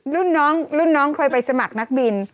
รุ่นน้องรุ่นน้องเคยไปสมัครนักบิน